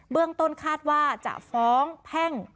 เรื่องต้นคาดว่าจะฟ้องแพ่ง